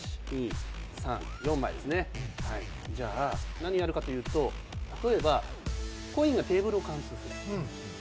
何やるかというと例えばコインがテーブルを貫通する。